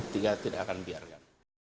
dia tidak akan membiarkan